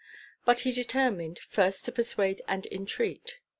But he determined first to persuade and entreat.